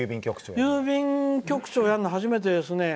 郵便局長やるのは初めてですね。